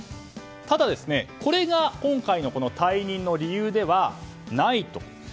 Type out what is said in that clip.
ただ、これが今回の退任の理由ではないと。